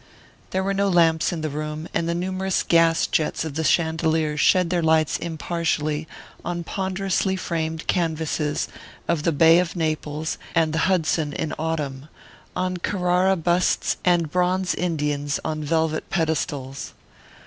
There were no lamps in the room, and the numerous gas jets of the chandelier shed their lights impartially on ponderously framed canvases of the Bay of Naples and the Hudson in Autumn, on Carrara busts and bronze Indians on velvet pedestals.